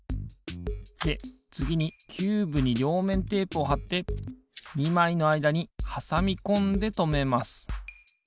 でつぎにキューブにりょうめんテープをはって２まいのあいだにはさみこんでとめます。